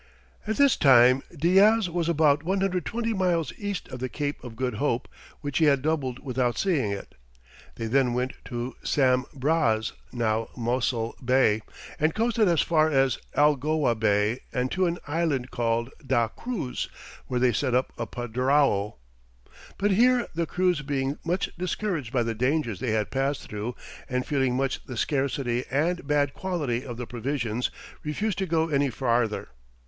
At this time Diaz was about 120 miles east of the Cape of Good Hope, which he had doubled without seeing it. They then went to Sam Braz (now Mossel) bay, and coasted as far as Algoa bay and to an island called Da Cruz where they set up a padrao. But here the crews being much discouraged by the dangers they had passed through, and feeling much the scarcity and bad quality of the provisions, refused to go any farther.